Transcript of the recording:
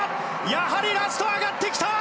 やはりラスト上がってきた！